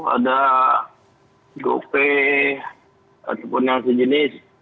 ada gope ataupun yang sejenis